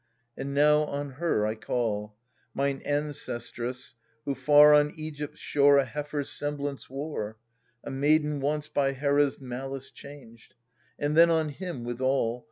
r And now on her I call, Mine_ancestress, who far on Egypt's shore A heifer's semblance' wore,^ ^" C^o A maiden once, by Hera's malice changed !/ And then on him withal.